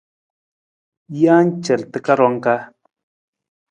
Jee car takarang ka.